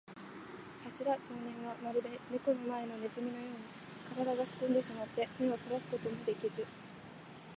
桂少年は、まるでネコの前のネズミのように、からだがすくんでしまって、目をそらすこともできず、